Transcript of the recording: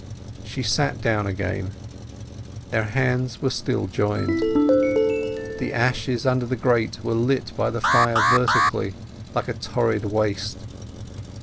She sat down again. Their hands were still joined. The ashes under the grate were lit by the fire vertically, like a torrid waste.